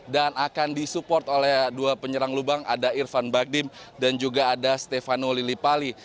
dan akan disupport oleh dua penyerang lubang ada irfan bagdim dan juga ada stefano lillipalli